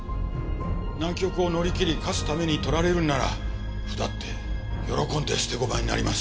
難局を乗りきり勝つために取られるなら歩だって喜んで捨て駒になります。